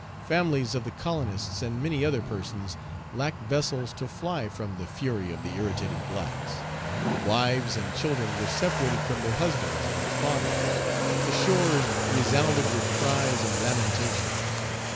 Families of the colonists and many other persons lacked vessels to fly from the fury of the irritated blacks. Wives and children were separated from their husbands and their fathers. Page 275 The shores resounded with cries and lamentations.